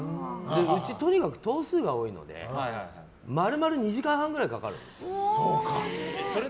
うち、とにかく頭数が多いので丸々２時間半くらいかかるんです。